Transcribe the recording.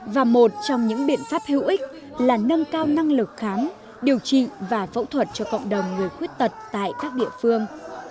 và một trong những biện pháp hữu ích là nâng cao năng lực khám điều trị và phẫu thuật cho cộng đồng người khuyết tật tại các địa phương